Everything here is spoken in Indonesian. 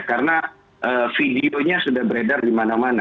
karena videonya sudah beredar di mana mana